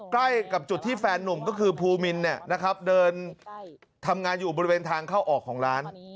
ใกล้กับจุดที่แฟนนุ่มก็คือภูมินเดินทำงานอยู่บริเวณทางเข้าออกของร้าน